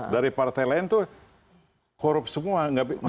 dari partai lain itu korup semua